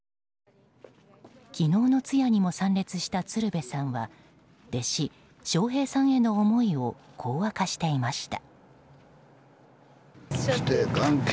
昨日の通夜にも参列した鶴瓶さんは弟子・笑瓶さんへの思いをこう明かしていました。